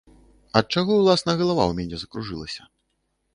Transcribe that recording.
Ад чаго, уласна, галава ў мяне закружылася?